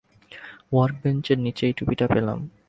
ওয়ার্কবেঞ্চের নিচে এই টুপিটা পেলাম।